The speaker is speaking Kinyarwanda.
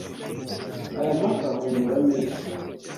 Aya mata ahumura neza.